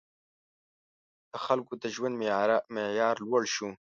• د خلکو د ژوند معیار لوړ شو.